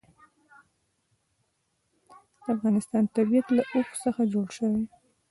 د افغانستان طبیعت له اوښ څخه جوړ شوی دی.